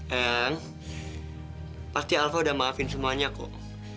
ayang pasti alva udah maafin semuanya kok